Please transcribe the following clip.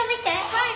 はい！